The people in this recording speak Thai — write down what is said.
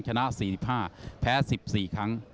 ชนะ๔๕แพ้๑๔ครั้ง